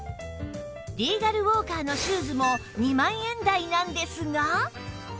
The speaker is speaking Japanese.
リーガルウォーカーのシューズも２万円台なのですが